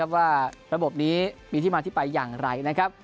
ว่าระบบนี้มีที่มาที่ไปอย่างไร